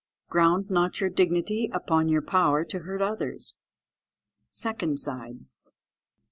"Ground not your dignity upon your power to hurt others." _Second side.